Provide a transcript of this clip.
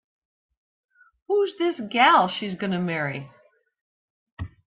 Who's this gal she's gonna marry?